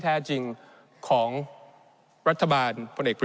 ในช่วงที่สุดในรอบ๑๖ปี